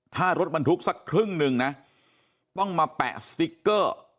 ถ้ารถบรรทุกสักครึ่งหนึ่งนะต้องมาแปะสติ๊กเกอร์